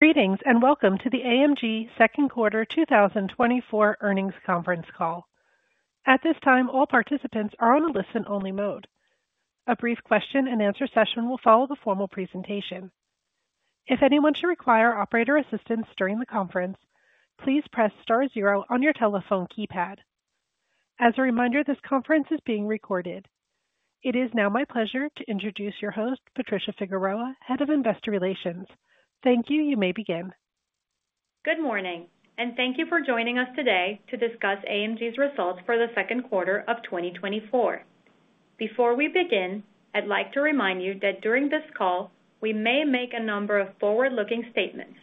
Greetings and welcome to the AMG Second Quarter 2024 Earnings Conference call. At this time, all participants are on a listen-only mode. A brief question-and-answer session will follow the formal presentation. If anyone should require operator assistance during the conference, please press star zero on your telephone keypad. As a reminder, this conference is being recorded. It is now my pleasure to introduce your host, Patricia Figueroa, Head of Investor Relations. Thank you. You may begin. Good morning, and thank you for joining us today to discuss AMG's results for the second quarter of 2024. Before we begin, I'd like to remind you that during this call, we may make a number of forward-looking statements,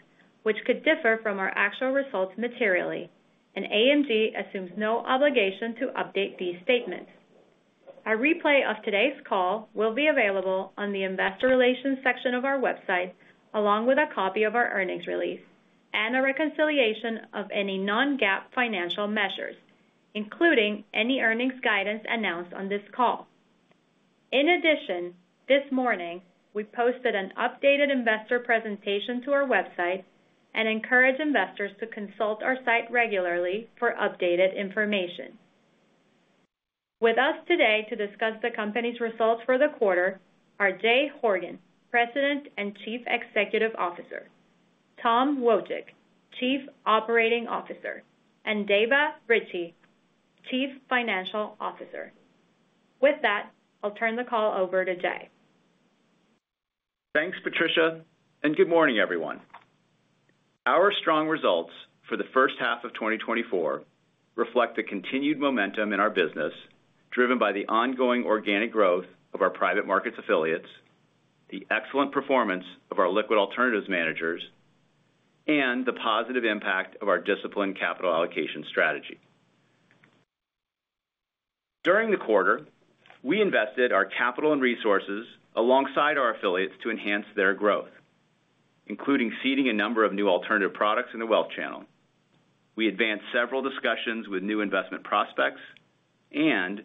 which could differ from our actual results materially, and AMG assumes no obligation to update these statements. A replay of today's call will be available on the Investor Relations section of our website, along with a copy of our earnings release and a reconciliation of any non-GAAP financial measures, including any earnings guidance announced on this call. In addition, this morning, we posted an updated investor presentation to our website and encourage investors to consult our site regularly for updated information. With us today to discuss the company's results for the quarter are Jay Horgen, President and Chief Executive Officer; Tom Wojcik, Chief Operating Officer; and Dava Ritchea, Chief Financial Officer. With that, I'll turn the call over to Jay. Thanks, Patricia, and good morning, everyone. Our strong results for the first half of 2024 reflect the continued momentum in our business driven by the ongoing organic growth of our private markets affiliates, the excellent performance of our liquid alternatives managers, and the positive impact of our disciplined capital allocation strategy. During the quarter, we invested our capital and resources alongside our affiliates to enhance their growth, including seeding a number of new alternative products in the wealth channel. We advanced several discussions with new investment prospects, and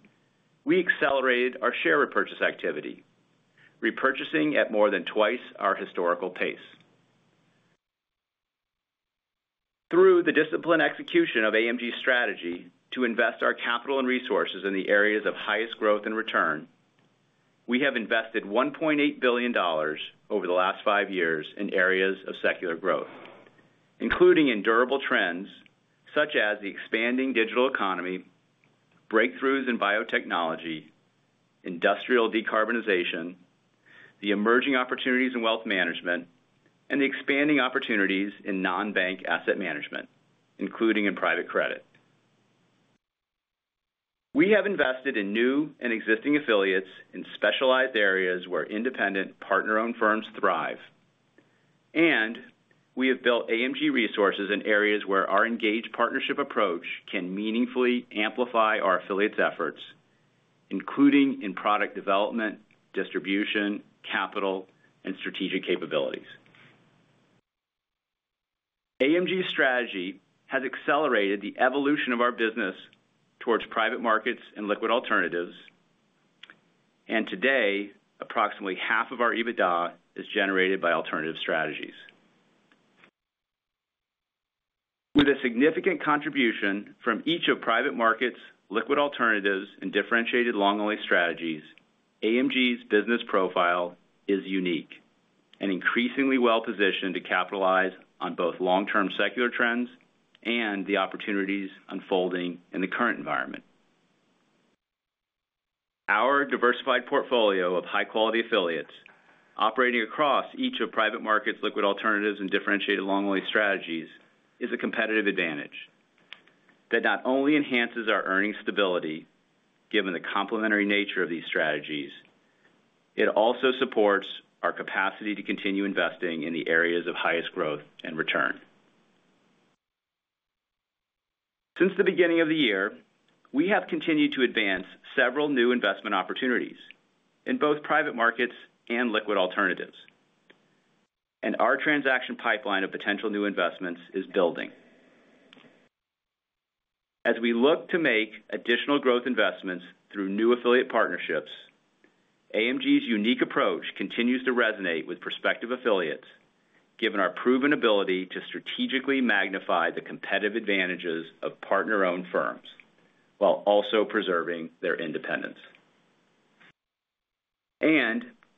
we accelerated our share repurchase activity, repurchasing at more than twice our historical pace. Through the disciplined execution of AMG's strategy to invest our capital and resources in the areas of highest growth and return, we have invested $1.8 billion over the last five years in areas of secular growth, including in durable trends such as the expanding digital economy, breakthroughs in biotechnology, industrial decarbonization, the emerging opportunities in wealth management, and the expanding opportunities in non-bank asset management, including in private credit. We have invested in new and existing affiliates in specialized areas where independent partner-owned firms thrive, and we have built AMG resources in areas where our engaged partnership approach can meaningfully amplify our affiliates' efforts, including in product development, distribution, capital, and strategic capabilities. AMG's strategy has accelerated the evolution of our business towards private markets and liquid alternatives, and today, approximately half of our EBITDA is generated by alternative strategies. With a significant contribution from each of private markets, liquid alternatives, and differentiated long-only strategies, AMG's business profile is unique and increasingly well-positioned to capitalize on both long-term secular trends and the opportunities unfolding in the current environment. Our diversified portfolio of high-quality affiliates operating across each of private markets, liquid alternatives, and differentiated long-only strategies is a competitive advantage that not only enhances our earnings stability given the complementary nature of these strategies, it also supports our capacity to continue investing in the areas of highest growth and return. Since the beginning of the year, we have continued to advance several new investment opportunities in both private markets and liquid alternatives, and our transaction pipeline of potential new investments is building. As we look to make additional growth investments through new affiliate partnerships, AMG's unique approach continues to resonate with prospective affiliates given our proven ability to strategically magnify the competitive advantages of partner-owned firms while also preserving their independence.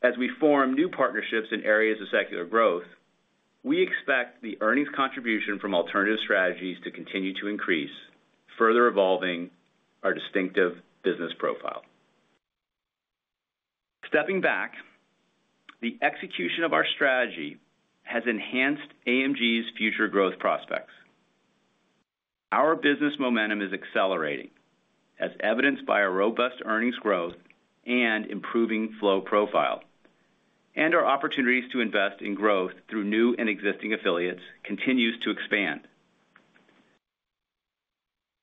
As we form new partnerships in areas of secular growth, we expect the earnings contribution from alternative strategies to continue to increase, further evolving our distinctive business profile. Stepping back, the execution of our strategy has enhanced AMG's future growth prospects. Our business momentum is accelerating, as evidenced by our robust earnings growth and improving flow profile, and our opportunities to invest in growth through new and existing affiliates continue to expand.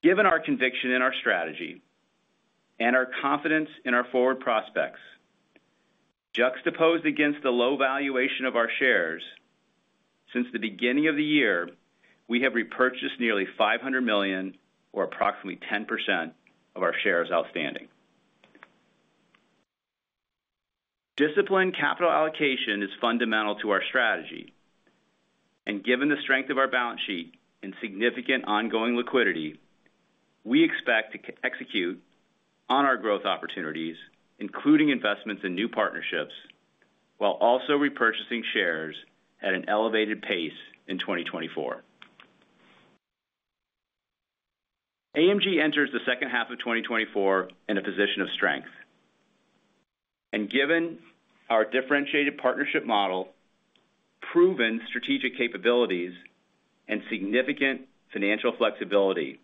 Given our conviction in our strategy and our confidence in our forward prospects, juxtaposed against the low valuation of our shares, since the beginning of the year, we have repurchased nearly $500 million, or approximately 10% of our shares outstanding. Disciplined capital allocation is fundamental to our strategy, and given the strength of our balance sheet and significant ongoing liquidity, we expect to execute on our growth opportunities, including investments in new partnerships, while also repurchasing shares at an elevated pace in 2024. AMG enters the second half of 2024 in a position of strength, and given our differentiated partnership model, proven strategic capabilities, and significant financial flexibility,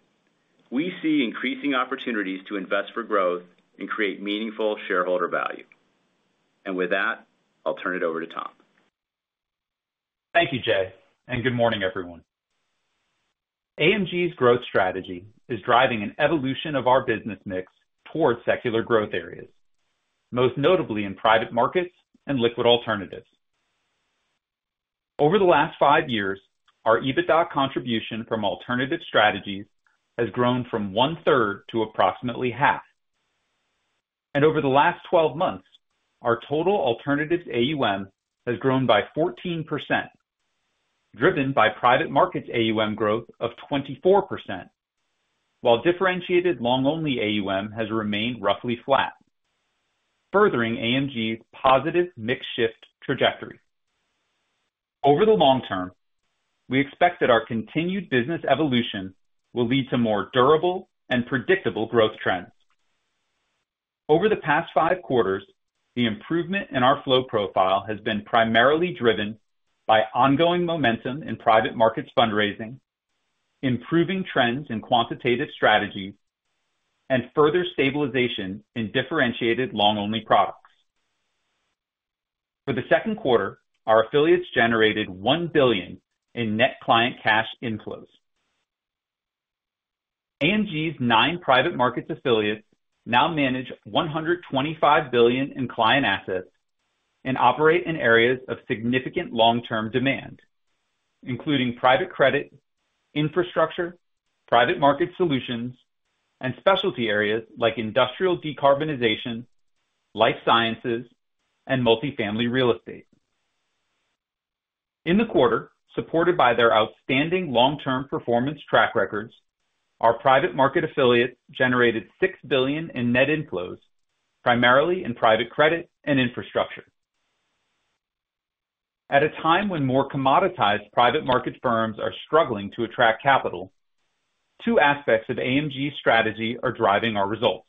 we see increasing opportunities to invest for growth and create meaningful shareholder value. With that, I'll turn it over to Tom. Thank you, Jay, and good morning, everyone. AMG's growth strategy is driving an evolution of our business mix towards secular growth areas, most notably in private markets and liquid alternatives. Over the last five years, our EBITDA contribution from alternative strategies has grown from one-third to approximately half. Over the last 12 months, our total alternatives AUM has grown by 14%, driven by private markets AUM growth of 24%, while differentiated long-only AUM has remained roughly flat, furthering AMG's positive mix shift trajectory. Over the long term, we expect that our continued business evolution will lead to more durable and predictable growth trends. Over the past five quarters, the improvement in our flow profile has been primarily driven by ongoing momentum in private markets fundraising, improving trends in quantitative strategies, and further stabilization in differentiated long-only products. For the second quarter, our affiliates generated $1 billion in net client cash inflows. AMG's nine private markets affiliates now manage $125 billion in client assets and operate in areas of significant long-term demand, including private credit, infrastructure, private market solutions, and specialty areas like industrial decarbonization, life sciences, and multifamily real estate. In the quarter, supported by their outstanding long-term performance track records, our private market affiliates generated $6 billion in net inflows, primarily in private credit and infrastructure. At a time when more commoditized private market firms are struggling to attract capital, two aspects of AMG's strategy are driving our results.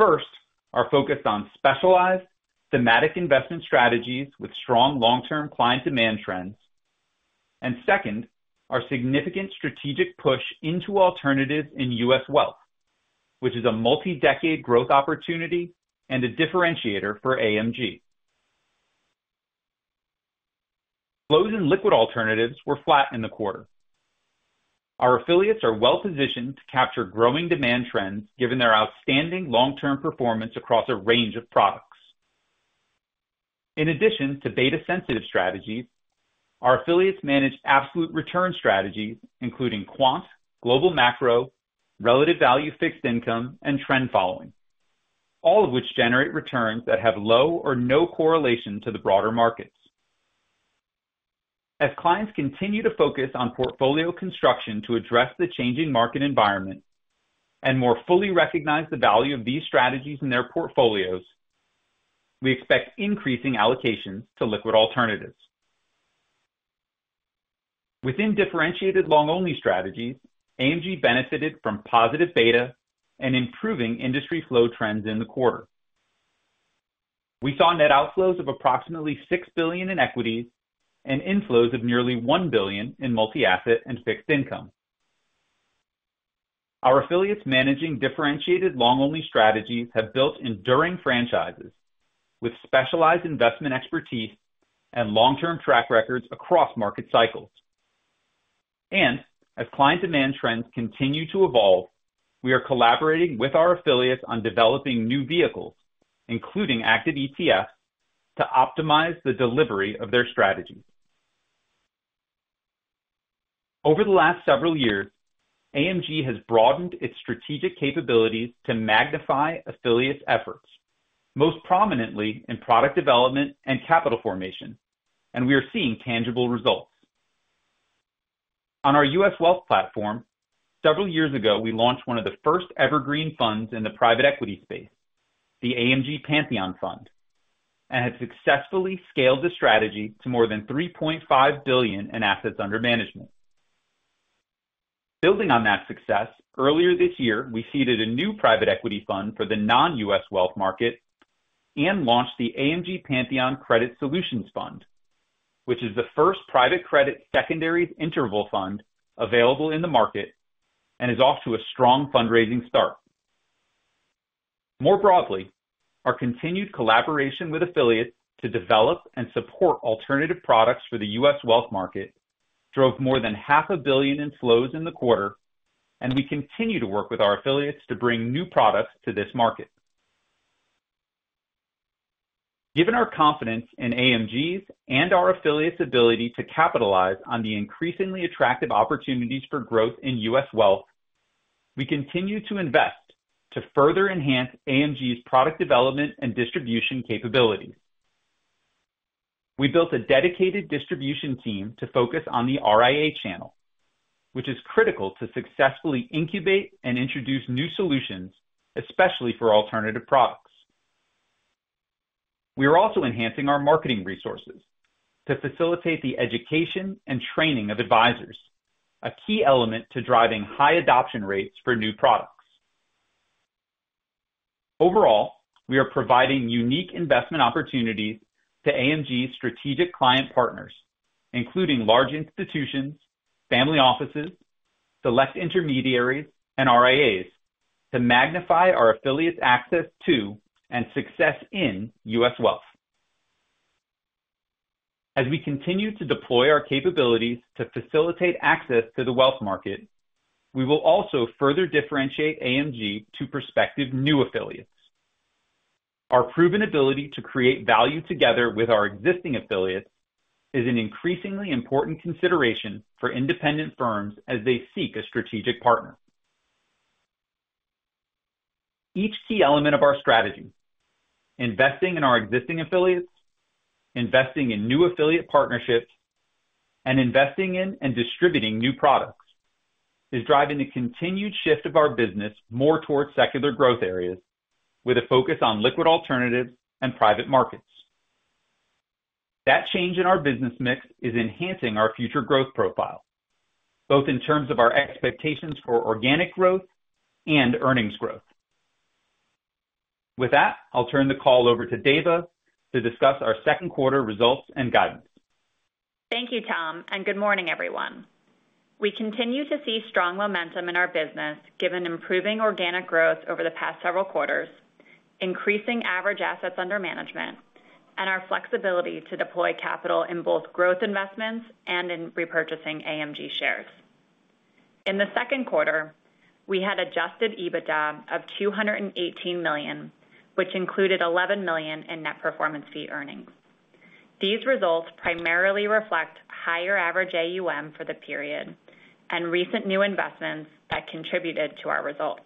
First, our focus on specialized, thematic investment strategies with strong long-term client demand trends, and second, our significant strategic push into alternatives in U.S. wealth, which is a multi-decade growth opportunity and a differentiator for AMG. Flows in liquid alternatives were flat in the quarter. Our affiliates are well-positioned to capture growing demand trends given their outstanding long-term performance across a range of products. In addition to beta-sensitive strategies, our affiliates manage absolute return strategies, including quant, global macro, relative value fixed income, and trend following, all of which generate returns that have low or no correlation to the broader markets. As clients continue to focus on portfolio construction to address the changing market environment and more fully recognize the value of these strategies in their portfolios, we expect increasing allocations to liquid alternatives. Within differentiated long-only strategies, AMG benefited from positive beta and improving industry flow trends in the quarter. We saw net outflows of approximately $6 billion in equities and inflows of nearly $1 billion in multi-asset and fixed income. Our affiliates managing differentiated long-only strategies have built enduring franchises with specialized investment expertise and long-term track records across market cycles. As client demand trends continue to evolve, we are collaborating with our affiliates on developing new vehicles, including active ETFs, to optimize the delivery of their strategies. Over the last several years, AMG has broadened its strategic capabilities to magnify affiliates' efforts, most prominently in product development and capital formation, and we are seeing tangible results. On our U.S. wealth platform, several years ago, we launched one of the first evergreen funds in the private equity space, the AMG Pantheon Fund, and have successfully scaled the strategy to more than $3.5 billion in assets under management. Building on that success, earlier this year, we seeded a new private equity fund for the non-U.S. wealth market and launched the AMG Pantheon Credit Solutions Fund, which is the first private credit secondary interval fund available in the market and is off to a strong fundraising start. More broadly, our continued collaboration with affiliates to develop and support alternative products for the U.S. wealth market drove more than $500 million in flows in the quarter, and we continue to work with our affiliates to bring new products to this market. Given our confidence in AMG's and our affiliates' ability to capitalize on the increasingly attractive opportunities for growth in U.S. wealth, we continue to invest to further enhance AMG's product development and distribution capabilities. We built a dedicated distribution team to focus on the RIA channel, which is critical to successfully incubate and introduce new solutions, especially for alternative products. We are also enhancing our marketing resources to facilitate the education and training of advisors, a key element to driving high adoption rates for new products. Overall, we are providing unique investment opportunities to AMG's strategic client partners, including large institutions, family offices, select intermediaries, and RIAs, to magnify our affiliates' access to and success in U.S. wealth. As we continue to deploy our capabilities to facilitate access to the wealth market, we will also further differentiate AMG to prospective new affiliates. Our proven ability to create value together with our existing affiliates is an increasingly important consideration for independent firms as they seek a strategic partner. Each key element of our strategy, investing in our existing affiliates, investing in new affiliate partnerships, and investing in and distributing new products, is driving the continued shift of our business more towards secular growth areas with a focus on liquid alternatives and private markets. That change in our business mix is enhancing our future growth profile, both in terms of our expectations for organic growth and earnings growth. With that, I'll turn the call over to Dava to discuss our second quarter results and guidance. Thank you, Tom, and good morning, everyone. We continue to see strong momentum in our business given improving organic growth over the past several quarters, increasing average assets under management, and our flexibility to deploy capital in both growth investments and in repurchasing AMG shares. In the second quarter, we had adjusted EBITDA of $218 million, which included $11 million in net performance fee earnings. These results primarily reflect higher average AUM for the period and recent new investments that contributed to our results.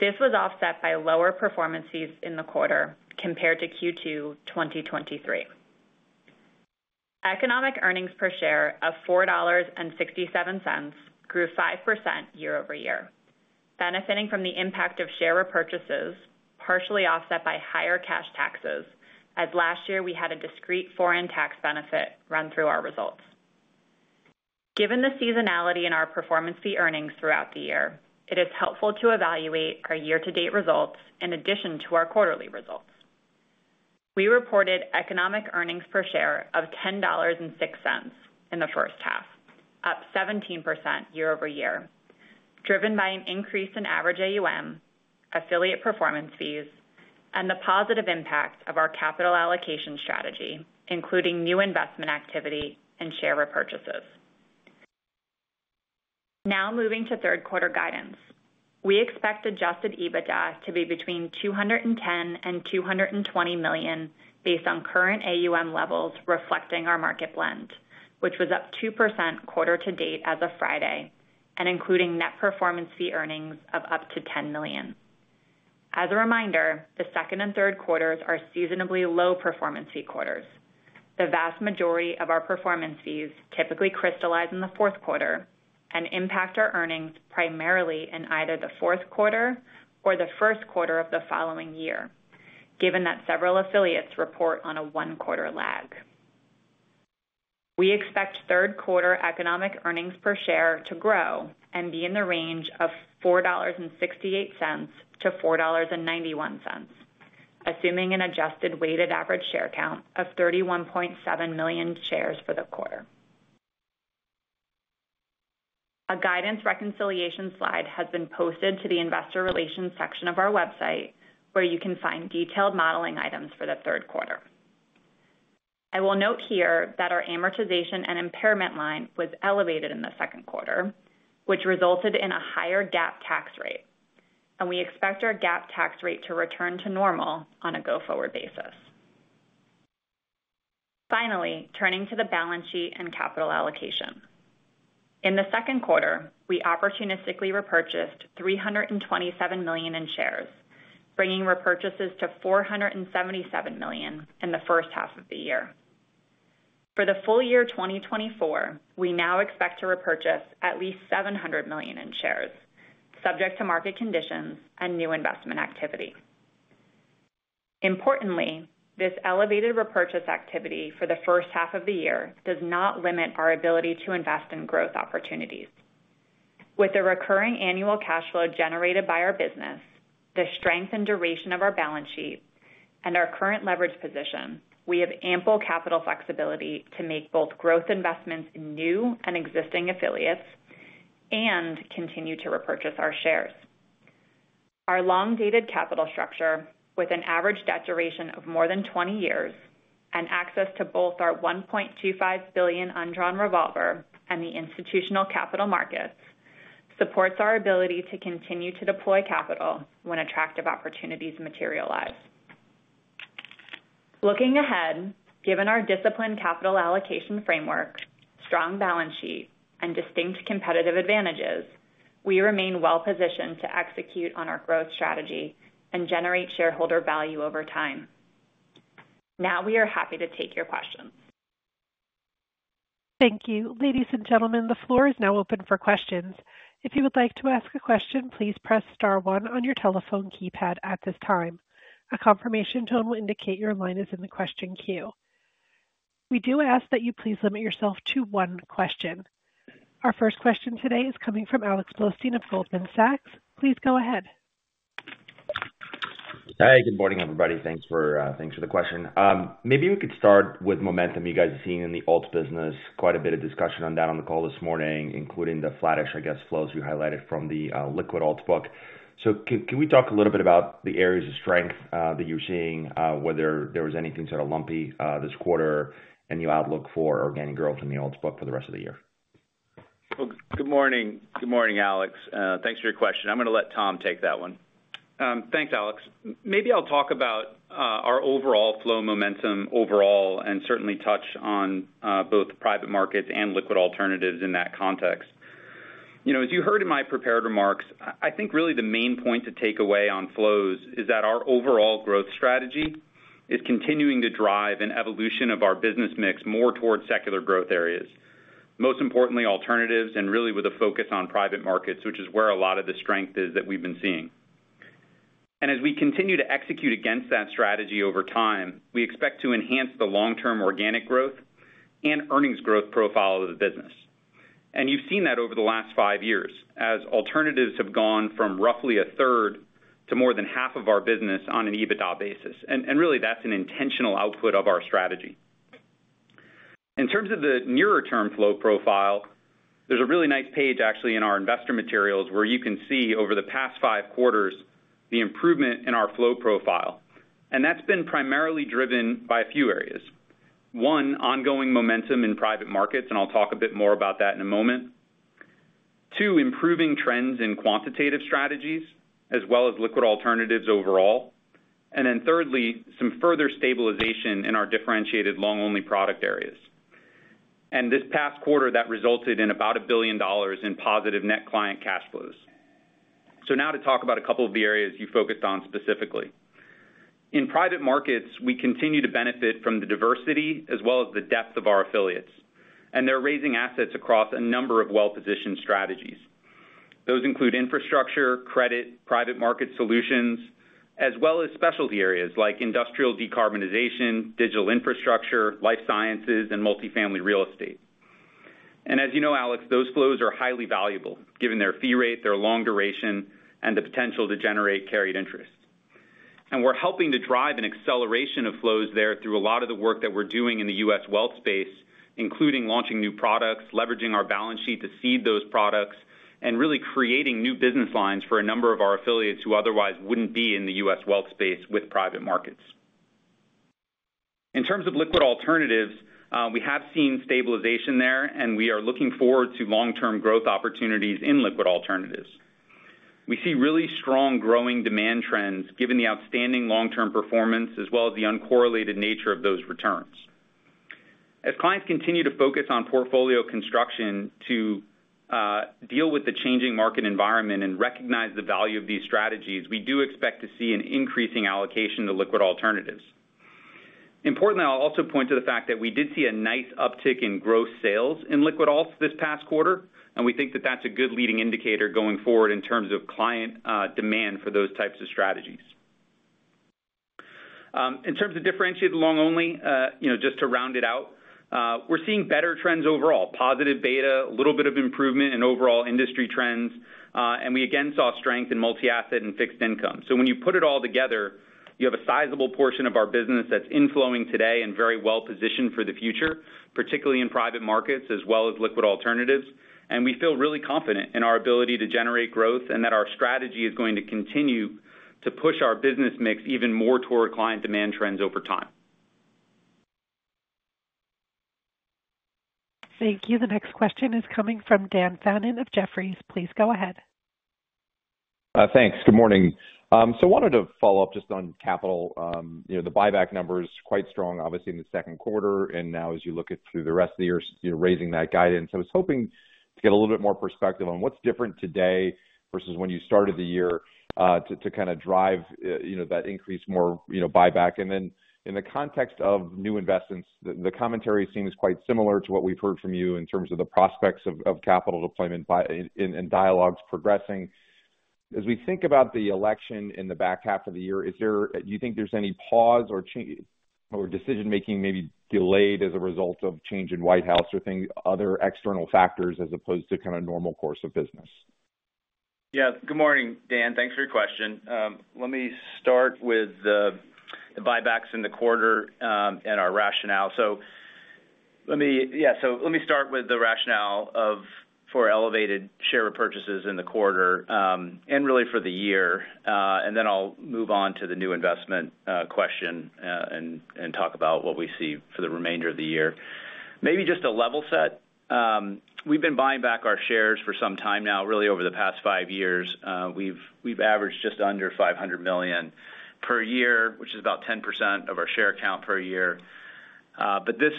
This was offset by lower performance fees in the quarter compared to Q2 2023. Economic earnings per share of $4.67 grew 5% year-over-year, benefiting from the impact of share repurchases, partially offset by higher cash taxes, as last year we had a discrete foreign tax benefit run through our results. Given the seasonality in our performance fee earnings throughout the year, it is helpful to evaluate our year-to-date results in addition to our quarterly results. We reported economic earnings per share of $10.06 in the first half, up 17% year-over-year, driven by an increase in average AUM, affiliate performance fees, and the positive impact of our capital allocation strategy, including new investment activity and share repurchases. Now moving to third quarter guidance, we expect adjusted EBITDA to be between $210 million and $220 million based on current AUM levels reflecting our market blend, which was up 2% quarter-to-date as of Friday and including net performance fee earnings of up to $10 million. As a reminder, the second and third quarters are seasonally low performance fee quarters. The vast majority of our performance fees typically crystallize in the fourth quarter and impact our earnings primarily in either the fourth quarter or the first quarter of the following year, given that several affiliates report on a one-quarter lag. We expect third quarter Economic Earnings Per Share to grow and be in the range of $4.68-$4.91, assuming an adjusted weighted average share count of 31.7 million shares for the quarter. A guidance reconciliation slide has been posted to the investor relations section of our website, where you can find detailed modeling items for the third quarter. I will note here that our amortization and impairment line was elevated in the second quarter, which resulted in a higher GAAP tax rate, and we expect our GAAP tax rate to return to normal on a go-forward basis. Finally, turning to the balance sheet and capital allocation. In the second quarter, we opportunistically repurchased $327 million in shares, bringing repurchases to $477 million in the first half of the year. For the full year 2024, we now expect to repurchase at least $700 million in shares, subject to market conditions and new investment activity. Importantly, this elevated repurchase activity for the first half of the year does not limit our ability to invest in growth opportunities. With the recurring annual cash flow generated by our business, the strength and duration of our balance sheet, and our current leverage position, we have ample capital flexibility to make both growth investments in new and existing affiliates and continue to repurchase our shares. Our long-dated capital structure, with an average debt duration of more than 20 years and access to both our $1.25 billion undrawn revolver and the institutional capital markets, supports our ability to continue to deploy capital when attractive opportunities materialize. Looking ahead, given our disciplined capital allocation framework, strong balance sheet, and distinct competitive advantages, we remain well-positioned to execute on our growth strategy and generate shareholder value over time. Now we are happy to take your questions. Thank you. Ladies and gentlemen, the floor is now open for questions. If you would like to ask a question, please press star one on your telephone keypad at this time. A confirmation tone will indicate your line is in the question queue. We do ask that you please limit yourself to one question. Our first question today is coming from Alex Blostein of Goldman Sachs. Please go ahead. Hi, good morning, everybody. Thanks for the question. Maybe we could start with momentum you guys are seeing in the alts business. Quite a bit of discussion on that on the call this morning, including the flattish, I guess, flows you highlighted from the liquid alts book. So can we talk a little bit about the areas of strength that you're seeing, whether there was anything sort of lumpy this quarter, any outlook for organic growth in the alts book for the rest of the year? Good morning, Alex. Thanks for your question. I'm going to let Tom take that one. Thanks, Alex. Maybe I'll talk about our overall flow momentum overall and certainly touch on both private markets and liquid alternatives in that context. As you heard in my prepared remarks, I think really the main point to take away on flows is that our overall growth strategy is continuing to drive an evolution of our business mix more towards secular growth areas, most importantly alternatives and really with a focus on private markets, which is where a lot of the strength is that we've been seeing. And as we continue to execute against that strategy over time, we expect to enhance the long-term organic growth and earnings growth profile of the business. You've seen that over the last 5 years as alternatives have gone from roughly a third to more than half of our business on an EBITDA basis. Really, that's an intentional output of our strategy. In terms of the nearer-term flow profile, there's a really nice page actually in our investor materials where you can see over the past 5 quarters the improvement in our flow profile. That's been primarily driven by a few areas. One, ongoing momentum in private markets, and I'll talk a bit more about that in a moment. Two, improving trends in quantitative strategies as well as liquid alternatives overall. Then thirdly, some further stabilization in our differentiated long-only product areas. This past quarter, that resulted in about $1 billion in positive net client cash flows. Now to talk about a couple of the areas you focused on specifically. In private markets, we continue to benefit from the diversity as well as the depth of our affiliates. They're raising assets across a number of well-positioned strategies. Those include infrastructure, credit, private market solutions, as well as specialty areas like industrial decarbonization, digital infrastructure, life sciences, and multifamily real estate. As you know, Alex, those flows are highly valuable given their fee rate, their long duration, and the potential to generate carried interest. We're helping to drive an acceleration of flows there through a lot of the work that we're doing in the U.S. wealth space, including launching new products, leveraging our balance sheet to seed those products, and really creating new business lines for a number of our affiliates who otherwise wouldn't be in the U.S. wealth space with private markets. In terms of liquid alternatives, we have seen stabilization there, and we are looking forward to long-term growth opportunities in liquid alternatives. We see really strong growing demand trends given the outstanding long-term performance as well as the uncorrelated nature of those returns. As clients continue to focus on portfolio construction to deal with the changing market environment and recognize the value of these strategies, we do expect to see an increasing allocation to liquid alternatives. Importantly, I'll also point to the fact that we did see a nice uptick in gross sales in liquid alts this past quarter, and we think that that's a good leading indicator going forward in terms of client demand for those types of strategies. In terms of differentiated long-only, just to round it out, we're seeing better trends overall, positive beta, a little bit of improvement in overall industry trends, and we again saw strength in multi-asset and fixed income. So when you put it all together, you have a sizable portion of our business that's inflowing today and very well-positioned for the future, particularly in private markets as well as liquid alternatives. And we feel really confident in our ability to generate growth and that our strategy is going to continue to push our business mix even more toward client demand trends over time. Thank you. The next question is coming from Dan Fannon of Jefferies. Please go ahead. Thanks. Good morning. So I wanted to follow up just on capital. The buyback number is quite strong, obviously, in the second quarter, and now as you look at through the rest of the year, you're raising that guidance. I was hoping to get a little bit more perspective on what's different today versus when you started the year to kind of drive that increased more buyback. And then in the context of new investments, the commentary seems quite similar to what we've heard from you in terms of the prospects of capital deployment and dialogues progressing. As we think about the election in the back half of the year, do you think there's any pause or decision-making maybe delayed as a result of change in White House or other external factors as opposed to kind of normal course of business? Yeah. Good morning, Dan. Thanks for your question. Let me start with the buybacks in the quarter and our rationale. So yeah, so let me start with the rationale for elevated share repurchases in the quarter and really for the year. And then I'll move on to the new investment question and talk about what we see for the remainder of the year. Maybe just a level set. We've been buying back our shares for some time now, really over the past five years. We've averaged just under $500 million per year, which is about 10% of our share count per year. But this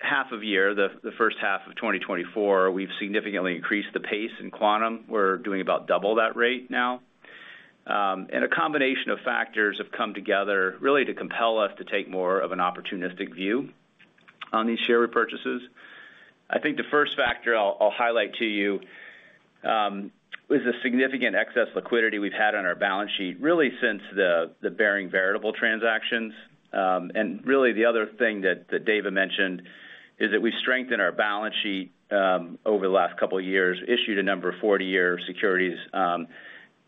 half of the year, the first half of 2024, we've significantly increased the pace in quantum. We're doing about double that rate now. And a combination of factors have come together really to compel us to take more of an opportunistic view on these share repurchases. I think the first factor I'll highlight to you is the significant excess liquidity we've had on our balance sheet really since the bearing variable transactions. Really the other thing that Dave mentioned is that we've strengthened our balance sheet over the last couple of years, issued a number of 40-year securities.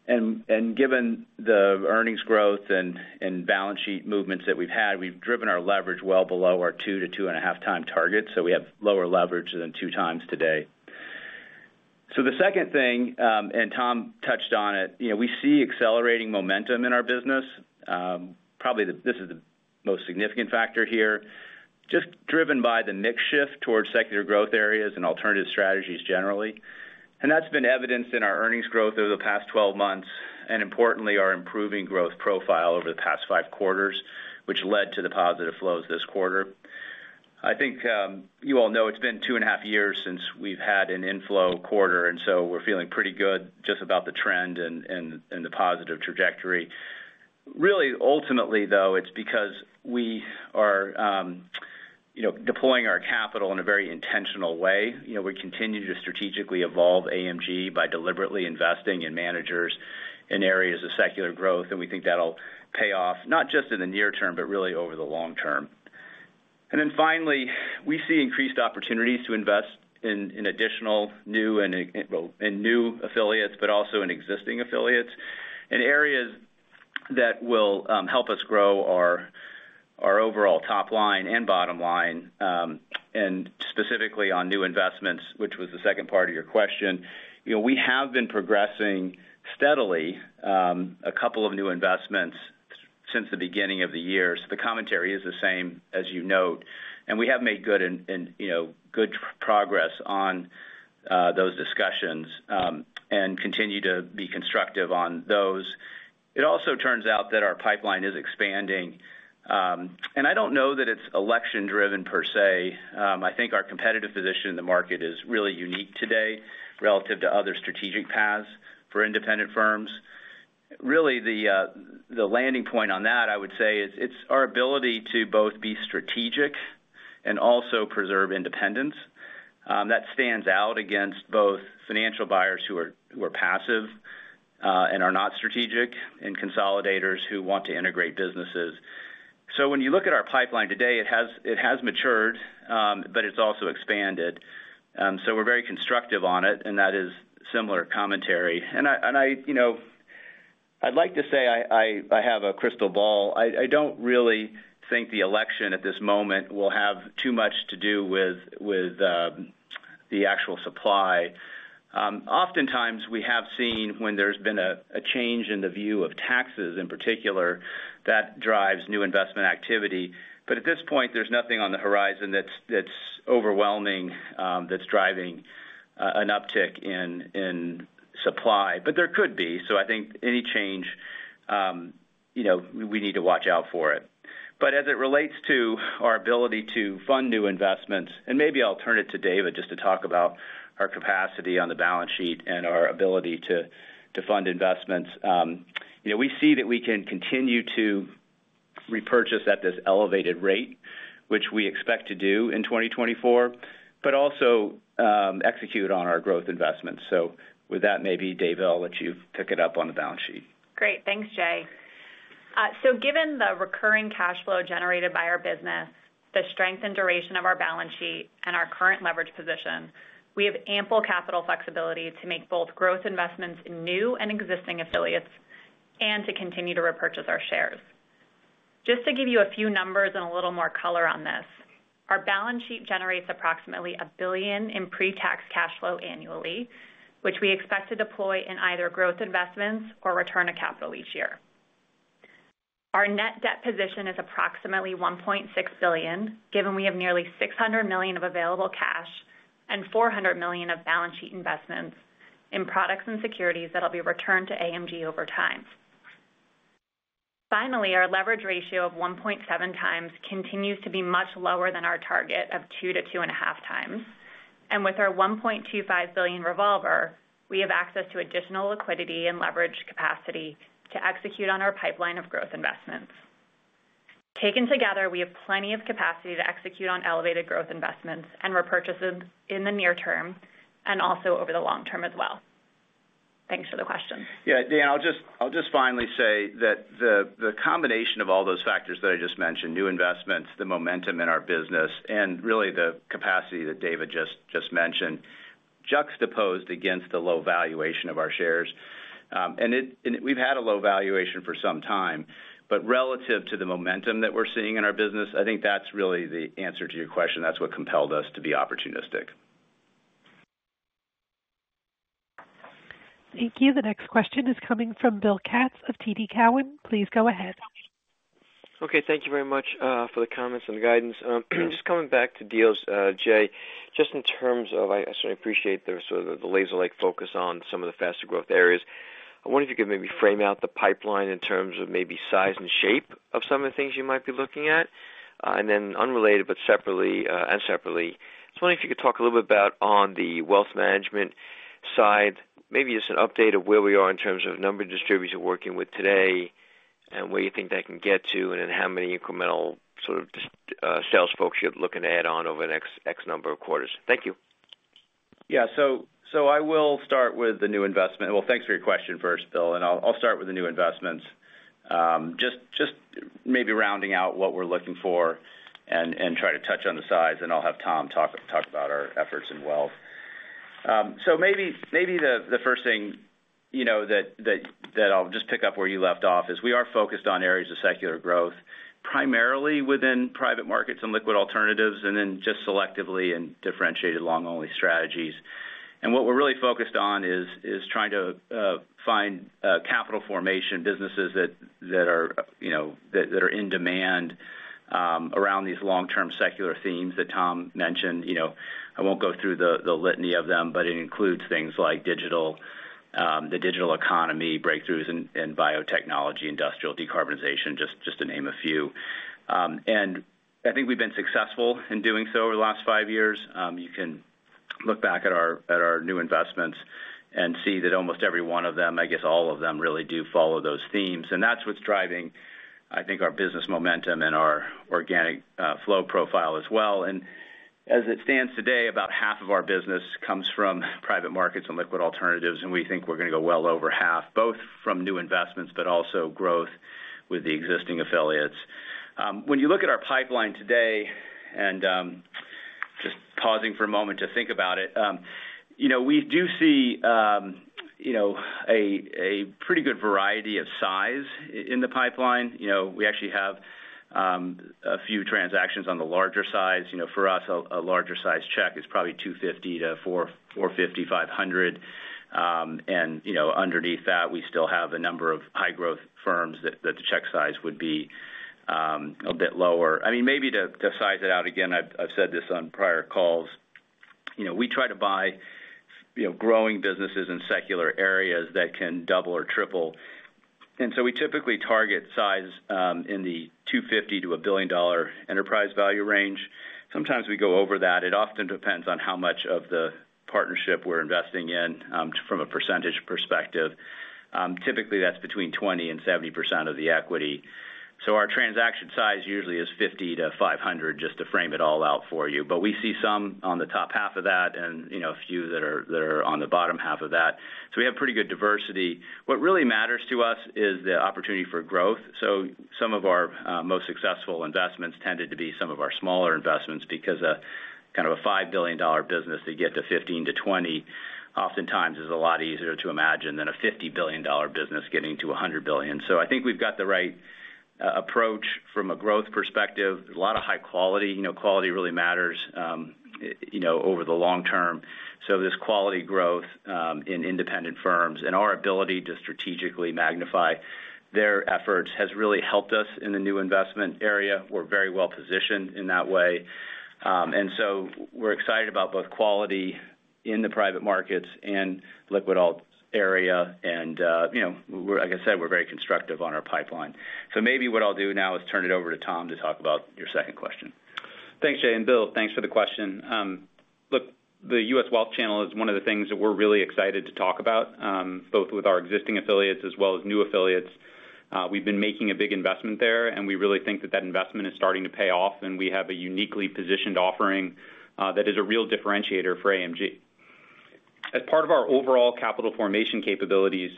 And given the earnings growth and balance sheet movements that we've had, we've driven our leverage well below our 2-2.5x targets. So we have lower leverage than 2x today. So the second thing, and Tom touched on it, we see accelerating momentum in our business. Probably this is the most significant factor here, just driven by the mix shift towards secular growth areas and alternative strategies generally. That's been evidenced in our earnings growth over the past 12 months and importantly our improving growth profile over the past five quarters, which led to the positive flows this quarter. I think you all know it's been 2.5 years since we've had an inflow quarter, and so we're feeling pretty good just about the trend and the positive trajectory. Really, ultimately, though, it's because we are deploying our capital in a very intentional way. We continue to strategically evolve AMG by deliberately investing in managers in areas of secular growth, and we think that'll pay off not just in the near term, but really over the long term. And then finally, we see increased opportunities to invest in additional new affiliates, but also in existing affiliates. Areas that will help us grow are our overall top line and bottom line, and specifically on new investments, which was the second part of your question. We have been progressing steadily, a couple of new investments since the beginning of the year. The commentary is the same, as you note. We have made good progress on those discussions and continue to be constructive on those. It also turns out that our pipeline is expanding. I don't know that it's election-driven per se. I think our competitive position in the market is really unique today relative to other strategic paths for independent firms. Really, the landing point on that, I would say, is our ability to both be strategic and also preserve independence. That stands out against both financial buyers who are passive and are not strategic and consolidators who want to integrate businesses. So when you look at our pipeline today, it has matured, but it's also expanded. So we're very constructive on it, and that is similar commentary. And I'd like to say I have a crystal ball. I don't really think the election at this moment will have too much to do with the actual supply. Oftentimes, we have seen when there's been a change in the view of taxes in particular that drives new investment activity. But at this point, there's nothing on the horizon that's overwhelming that's driving an uptick in supply. But there could be. So I think any change, we need to watch out for it. But as it relates to our ability to fund new investments, and maybe I'll turn it to Dava just to talk about our capacity on the balance sheet and our ability to fund investments, we see that we can continue to repurchase at this elevated rate, which we expect to do in 2024, but also execute on our growth investments. So with that, maybe, Dava, I'll let you pick it up on the balance sheet. Great. Thanks, Jay. So given the recurring cash flow generated by our business, the strength and duration of our balance sheet, and our current leverage position, we have ample capital flexibility to make both growth investments in new and existing affiliates and to continue to repurchase our shares. Just to give you a few numbers and a little more color on this, our balance sheet generates approximately $1 billion in pre-tax cash flow annually, which we expect to deploy in either growth investments or return to capital each year. Our net debt position is approximately $1.6 billion, given we have nearly $600 million of available cash and $400 million of balance sheet investments in products and securities that will be returned to AMG over time. Finally, our leverage ratio of 1.7x continues to be much lower than our target of 2x-2.5x. With our $1.25 billion revolver, we have access to additional liquidity and leverage capacity to execute on our pipeline of growth investments. Taken together, we have plenty of capacity to execute on elevated growth investments and repurchases in the near term and also over the long term as well. Thanks for the question. Yeah. Dan, I'll just finally say that the combination of all those factors that I just mentioned, new investments, the momentum in our business, and really the capacity that Dava just mentioned, juxtaposed against the low valuation of our shares. And we've had a low valuation for some time. But relative to the momentum that we're seeing in our business, I think that's really the answer to your question. That's what compelled us to be opportunistic. Thank you. The next question is coming from Bill Katz of TD Cowen. Please go ahead. Okay. Thank you very much for the comments and the guidance. Just coming back to deals, Jay, just in terms of I certainly appreciate the laser-like focus on some of the faster growth areas. I wonder if you could maybe frame out the pipeline in terms of maybe size and shape of some of the things you might be looking at. And then unrelated, but separately, I just wonder if you could talk a little bit about on the wealth management side, maybe just an update of where we are in terms of number distribution working with today and where you think that can get to and then how many incremental sort of sales folks you're looking to add on over the next X number of quarters. Thank you. Yeah. So I will start with the new investment. Well, thanks for your question first, Bill. I'll start with the new investments, just maybe rounding out what we're looking for and try to touch on the size, and I'll have Tom talk about our efforts in wealth. Maybe the first thing that I'll just pick up where you left off is we are focused on areas of secular growth, primarily within private markets and liquid alternatives, and then just selectively in differentiated long-only strategies. What we're really focused on is trying to find capital formation businesses that are in demand around these long-term secular themes that Tom mentioned. I won't go through the litany of them, but it includes things like the digital economy, breakthroughs in biotechnology, industrial decarbonization, just to name a few. I think we've been successful in doing so over the last 5 years. You can look back at our new investments and see that almost every one of them, I guess all of them really do follow those themes. That's what's driving, I think, our business momentum and our organic flow profile as well. As it stands today, about half of our business comes from private markets and liquid alternatives, and we think we're going to go well over half, both from new investments, but also growth with the existing affiliates. When you look at our pipeline today, and just pausing for a moment to think about it, we do see a pretty good variety of size in the pipeline. We actually have a few transactions on the larger size. For us, a larger size check is probably $250-$450, $500. Underneath that, we still have a number of high-growth firms that the check size would be a bit lower. I mean, maybe to size it out again, I've said this on prior calls. We try to buy growing businesses in secular areas that can double or triple. So we typically target size in the $250 million-$1 billion enterprise value range. Sometimes we go over that. It often depends on how much of the partnership we're investing in from a percentage perspective. Typically, that's between 20%-70% of the equity. So our transaction size usually is $50 million-$500 million, just to frame it all out for you. But we see some on the top half of that and a few that are on the bottom half of that. So we have pretty good diversity. What really matters to us is the opportunity for growth. So some of our most successful investments tended to be some of our smaller investments because kind of a $5 billion business to get to $15-$20 billion oftentimes is a lot easier to imagine than a $50 billion business getting to $100 billion. So I think we've got the right approach from a growth perspective. There's a lot of high quality. Quality really matters over the long term. So this quality growth in independent firms and our ability to strategically magnify their efforts has really helped us in the new investment area. We're very well positioned in that way. And so we're excited about both quality in the private markets and liquid area and, like I said, we're very constructive on our pipeline. So maybe what I'll do now is turn it over to Tom to talk about your second question. Thanks, Jay. And Bill, thanks for the question. Look, the U.S. wealth channel is one of the things that we're really excited to talk about, both with our existing affiliates as well as new affiliates. We've been making a big investment there, and we really think that that investment is starting to pay off, and we have a uniquely positioned offering that is a real differentiator for AMG. As part of our overall capital formation capabilities,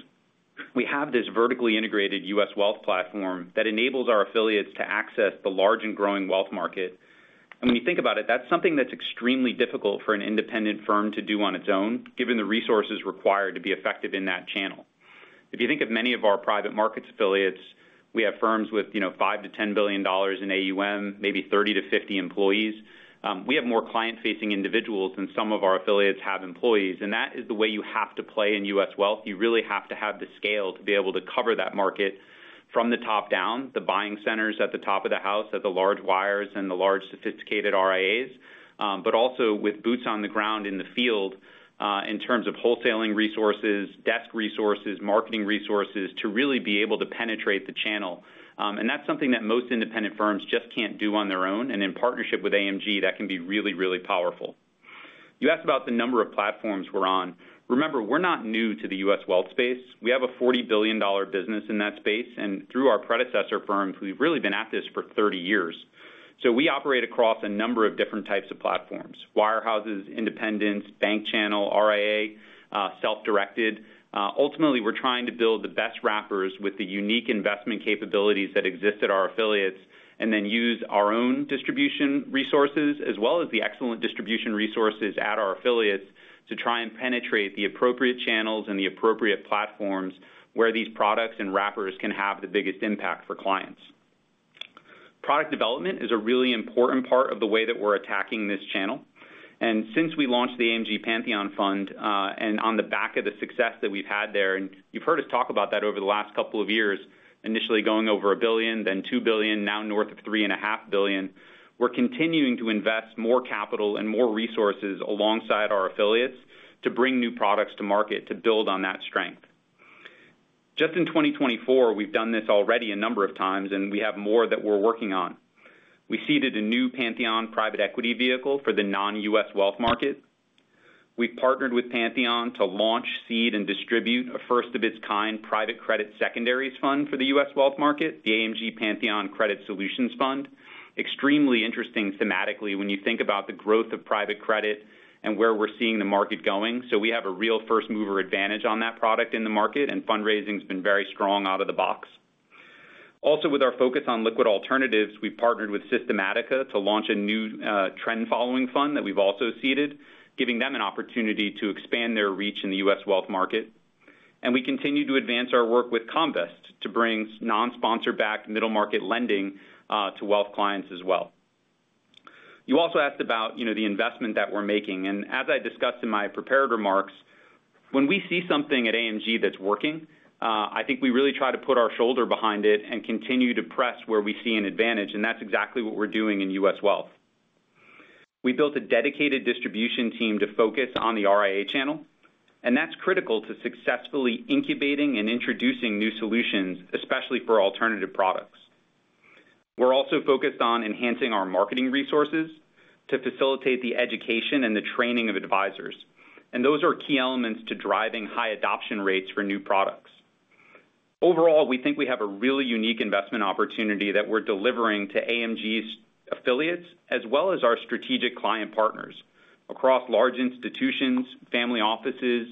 we have this vertically integrated U.S. wealth platform that enables our affiliates to access the large and growing wealth market. When you think about it, that's something that's extremely difficult for an independent firm to do on its own, given the resources required to be effective in that channel. If you think of many of our private markets affiliates, we have firms with $5 billion-$10 billion in AUM, maybe 30-50 employees. We have more client-facing individuals than some of our affiliates have employees. That is the way you have to play in U.S. Wealth. You really have to have the scale to be able to cover that market from the top down, the buying centers at the top of the house, at the large wires and the large sophisticated RIAs, but also with boots on the ground in the field in terms of wholesaling resources, desk resources, marketing resources to really be able to penetrate the channel. That's something that most independent firms just can't do on their own. In partnership with AMG, that can be really, really powerful. You asked about the number of platforms we're on. Remember, we're not new to the U.S. Wealth space. We have a $40 billion business in that space. Through our predecessor firms, we've really been at this for 30 years. We operate across a number of different types of platforms: wirehouses, independents, bank channel, RIA, self-directed. Ultimately, we're trying to build the best wrappers with the unique investment capabilities that exist at our affiliates and then use our own distribution resources as well as the excellent distribution resources at our affiliates to try and penetrate the appropriate channels and the appropriate platforms where these products and wrappers can have the biggest impact for clients. Product development is a really important part of the way that we're attacking this channel. Since we launched the AMG Pantheon Fund and on the back of the success that we've had there, and you've heard us talk about that over the last couple of years, initially going over $1 billion, then $2 billion, now north of $3.5 billion, we're continuing to invest more capital and more resources alongside our affiliates to bring new products to market to build on that strength. Just in 2024, we've done this already a number of times, and we have more that we're working on. We seeded a new Pantheon private equity vehicle for the non-U.S. wealth market. We've partnered with Pantheon to launch, seed, and distribute a first-of-its-kind private credit secondaries fund for the U.S. wealth market, the AMG Pantheon Credit Solutions Fund. Extremely interesting thematically when you think about the growth of private credit and where we're seeing the market going. We have a real first-mover advantage on that product in the market, and fundraising has been very strong out of the box. Also, with our focus on liquid alternatives, we've partnered with Systematica to launch a new trend-following fund that we've also seeded, giving them an opportunity to expand their reach in the U.S. wealth market. We continue to advance our work with Comvest to bring non-sponsor-backed middle-market lending to wealth clients as well. You also asked about the investment that we're making. As I discussed in my prepared remarks, when we see something at AMG that's working, I think we really try to put our shoulder behind it and continue to press where we see an advantage. That's exactly what we're doing in U.S. wealth. We built a dedicated distribution team to focus on the RIA channel, and that's critical to successfully incubating and introducing new solutions, especially for alternative products. We're also focused on enhancing our marketing resources to facilitate the education and the training of advisors. Those are key elements to driving high adoption rates for new products. Overall, we think we have a really unique investment opportunity that we're delivering to AMG's affiliates as well as our strategic client partners across large institutions, family offices,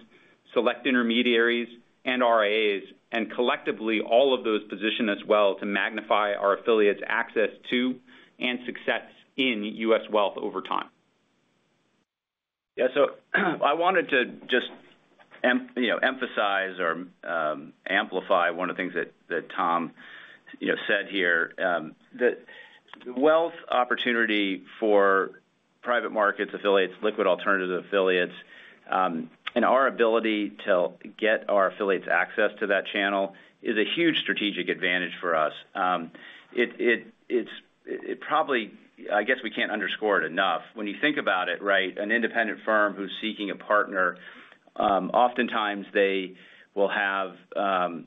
select intermediaries, and RIAs, and collectively, all of those position as well to magnify our affiliates' access to and success in U.S. Wealth over time. So I wanted to just emphasize or amplify one of the things that Tom said here, that the wealth opportunity for private markets, affiliates, liquid alternative affiliates, and our ability to get our affiliates access to that channel is a huge strategic advantage for us. I guess we can't underscore it enough. When you think about it, right, an independent firm who's seeking a partner, oftentimes they will have a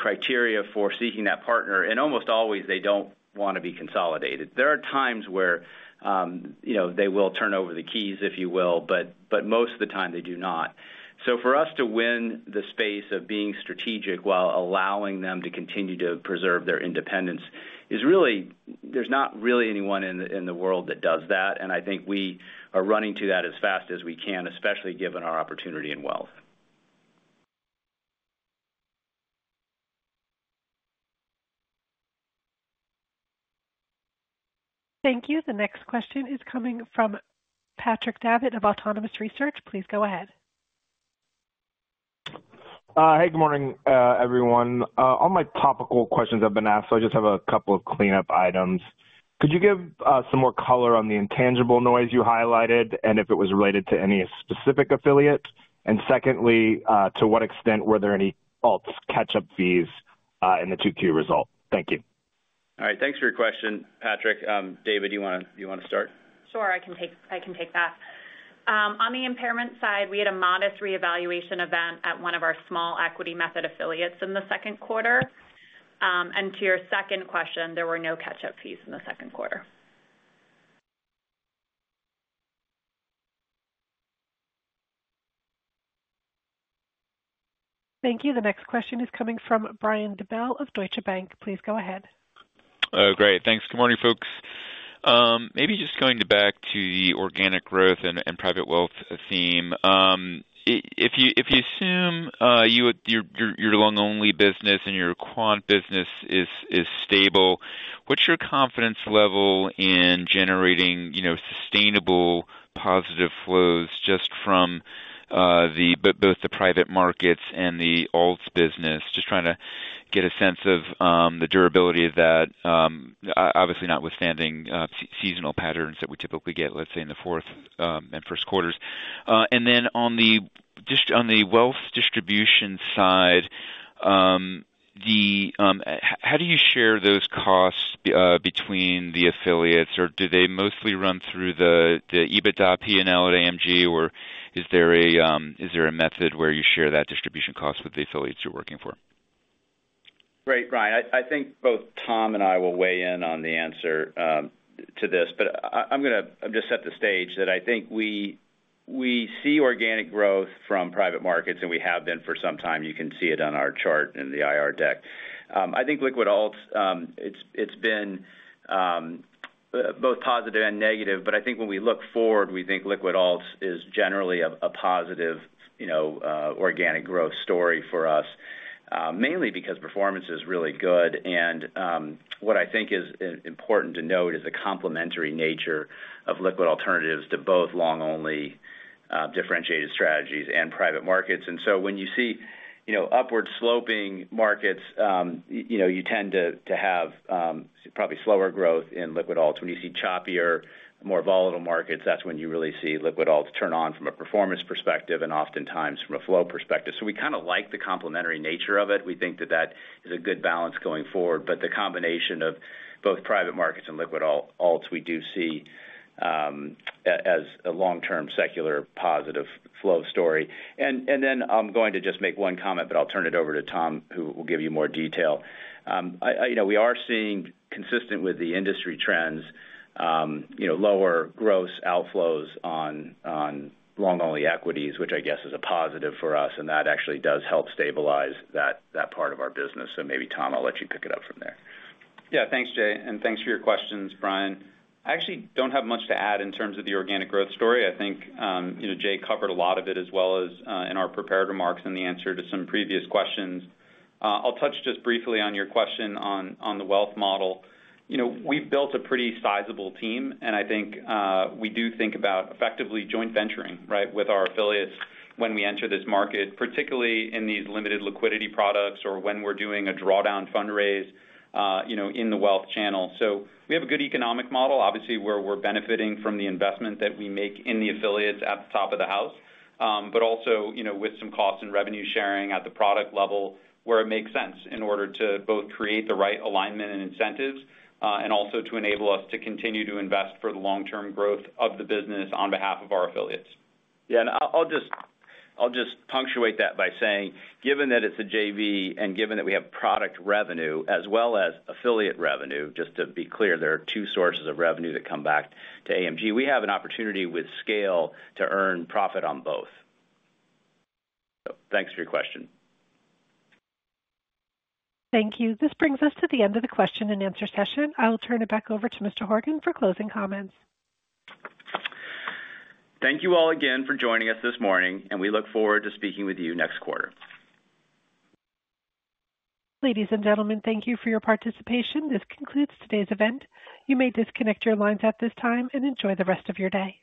criteria for seeking that partner. And almost always, they don't want to be consolidated. There are times where they will turn over the keys, if you will, but most of the time, they do not. So for us to win the space of being strategic while allowing them to continue to preserve their independence is really there's not really anyone in the world that does that. I think we are running to that as fast as we can, especially given our opportunity in wealth. Thank you. The next question is coming from Patrick Davitt of Autonomous Research. Please go ahead. Hey, good morning, everyone. On my topical questions I've been asked, so I just have a couple of cleanup items. Could you give some more color on the intangible noise you highlighted and if it was related to any specific affiliate? And secondly, to what extent were there any alts, catch-up fees in the 2Q result? Thank you. All right. Thanks for your question, Patrick. Dava, do you want to start? Sure. I can take that. On the impairment side, we had a modest reevaluation event at one of our small equity method affiliates in the second quarter. To your second question, there were no catch-up fees in the second quarter. Thank you. The next question is coming from Brian Bedell of Deutsche Bank. Please go ahead. Oh, great. Thanks. Good morning, folks. Maybe just going back to the organic growth and private wealth theme. If you assume your long-only business and your quant business is stable, what's your confidence level in generating sustainable positive flows just from both the private markets and the alts business? Just trying to get a sense of the durability of that, obviously notwithstanding seasonal patterns that we typically get, let's say, in the fourth and first quarters. And then on the wealth distribution side, how do you share those costs between the affiliates? Or do they mostly run through the EBITDA, P&L at AMG, or is there a method where you share that distribution cost with the affiliates you're working for? Right. Right. I think both Tom and I will weigh in on the answer to this. But I'm going to just set the stage that I think we see organic growth from private markets, and we have been for some time. You can see it on our chart in the IR deck. I think liquid alts, it's been both positive and negative. But I think when we look forward, we think liquid alts is generally a positive organic growth story for us, mainly because performance is really good. And what I think is important to note is the complementary nature of liquid alternatives to both long-only differentiated strategies and private markets. And so when you see upward-sloping markets, you tend to have probably slower growth in liquid alts. When you see choppier, more volatile markets, that's when you really see liquid alts turn on from a performance perspective and oftentimes from a flow perspective. So we kind of like the complementary nature of it. We think that that is a good balance going forward. But the combination of both private markets and liquid alts, we do see as a long-term secular positive flow story. And then I'm going to just make one comment, but I'll turn it over to Tom, who will give you more detail. We are seeing, consistent with the industry trends, lower gross outflows on long-only equities, which I guess is a positive for us. And that actually does help stabilize that part of our business. So maybe, Tom, I'll let you pick it up from there. Yeah. Thanks, Jay. And thanks for your questions, Brian. I actually don't have much to add in terms of the organic growth story. I think Jay covered a lot of it as well as in our prepared remarks and the answer to some previous questions. I'll touch just briefly on your question on the wealth model. We've built a pretty sizable team, and I think we do think about effectively joint venturing, right, with our affiliates when we enter this market, particularly in these limited liquidity products or when we're doing a drawdown fundraise in the wealth channel. So we have a good economic model, obviously, where we're benefiting from the investment that we make in the affiliates at the top of the house, but also with some cost and revenue sharing at the product level where it makes sense in order to both create the right alignment and incentives and also to enable us to continue to invest for the long-term growth of the business on behalf of our affiliates. Yeah. And I'll just punctuate that by saying, given that it's a JV and given that we have product revenue as well as affiliate revenue, just to be clear, there are two sources of revenue that come back to AMG, we have an opportunity with scale to earn profit on both. So thanks for your question. Thank you. This brings us to the end of the question and answer session. I will turn it back over to Mr. Horgen for closing comments. Thank you all again for joining us this morning, and we look forward to speaking with you next quarter. Ladies and gentlemen, thank you for your participation. This concludes today's event. You may disconnect your lines at this time and enjoy the rest of your day.